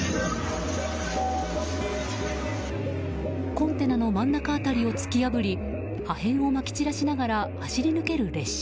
コンテナの真ん中辺りを突き破り破片をまき散らしながら走り抜ける列車。